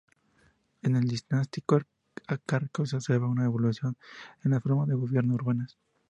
En el Dinástico Arcaico se observa una evolución en las formas de gobierno urbanas.